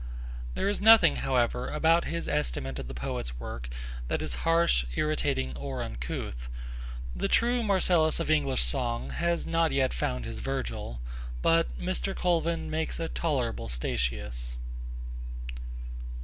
There is nothing, however, about his estimate of the poet's work that is harsh, irritating or uncouth. The true Marcellus of English song has not yet found his Virgil, but Mr. Colvin makes a tolerable Statius.